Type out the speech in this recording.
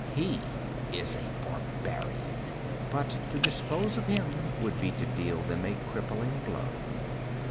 He is a barbarian. But to dispose of him would be to deal them a crippling blow.'